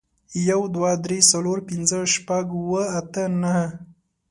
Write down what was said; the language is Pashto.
يو، دوه، درې، څلور، پينځه، شپږ، اووه، اته، نهه